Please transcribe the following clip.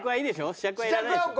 試着はいらないでしょ？